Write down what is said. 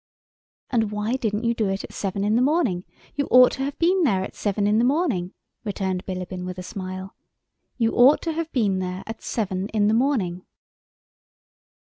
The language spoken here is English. "And why didn't you do it at seven in the morning? You ought to have been there at seven in the morning," returned Bilíbin with a smile. "You ought to have been there at seven in the morning."